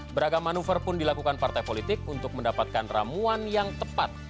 beragam manuver pun dilakukan partai politik untuk mendapatkan ramuan yang tepat